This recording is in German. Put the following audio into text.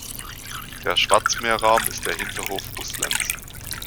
Der Schwarzmeerraum ist der Hinterhof Russlands.